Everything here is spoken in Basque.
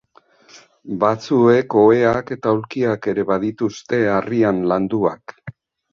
Batzuek oheak eta aulkiak ere badituzte harrian landuak.